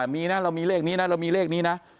มีนะเรามีเลขนี้นะเรามีเลขนี้นะ